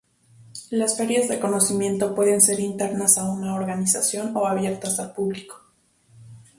Las ferias de conocimiento pueden ser internas a una organización o abiertas al público.